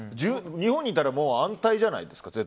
日本にいたらもう絶対に安泰じゃないですか。